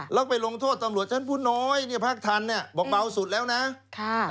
แล้วก็ไปลงโทษตำรวจฉันพูดน้อยพักทันนี่บอกเบาสุดแล้วนะ